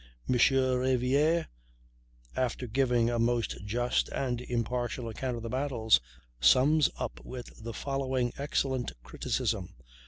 M. Riviere, after giving a most just and impartial account of the battles, sums up with the following excellent criticism.